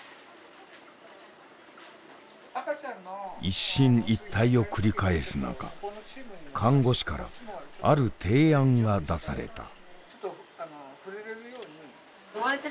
一進一退を繰り返す中看護師からある提案が出された。